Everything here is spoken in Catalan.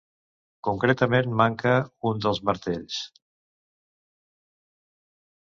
Concretament manca un dels martells.